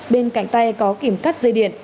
bên cạnh tay có kìm cắt dây điện